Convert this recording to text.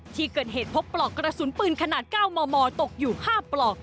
ที่เกิดเหตุพบปลอกกระสุนปืนขนาด๙มมตกอยู่๕ปลอก